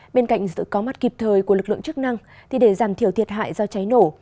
bên cạnh sự có mắt kịp thời của lực lượng chức năng thì để giảm thiểu thiệt hại do cháy nổ